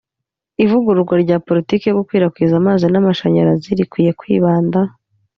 Ivugururwa rya politiki yo gukwirakwiza amazi n amashanyarazi rikwiye kwibanda